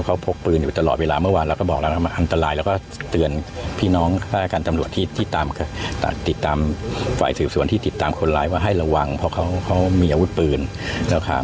เขาพกปืนอยู่ตลอดเวลาเมื่อวานเราก็บอกแล้วมันอันตรายแล้วก็เตือนพี่น้องฆาตการตำรวจที่ติดตามฝ่ายสืบสวนที่ติดตามคนร้ายว่าให้ระวังเพราะเขามีอาวุธปืนนะครับ